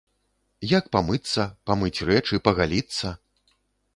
Як памыцца, памыць рэчы, пагаліцца?